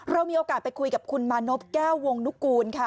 เรามีโอกาสไปคุยกับคุณมานพแก้ววงนุกูลค่ะ